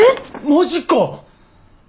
マジか！